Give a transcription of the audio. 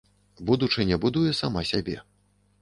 Будучыня будуе сама сябе.